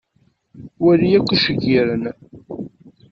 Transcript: Wali akk iceggiren.